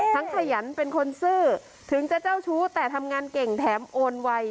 ขยันเป็นคนซื่อถึงจะเจ้าชู้แต่ทำงานเก่งแถมโอนไว